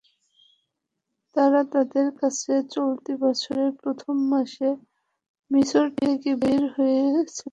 তারা তাদের কাছে চলতি বছরের প্রথম মাসে মিসর থেকে বের হয়েছিলেন।